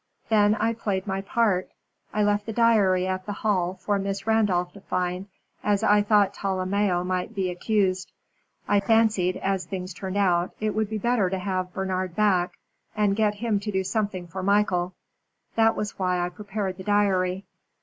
Then I played my part. I left the diary at the Hall for Miss Randolph to find, as I thought Tolomeo might be accused. I fancied, as things turned out, it would be better to have Bernard back, and get him to do something for Michael. That was why I prepared the diary."